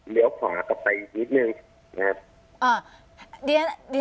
เลี้ยวขวากลับไปอีกนิดนึงนะครับอ่า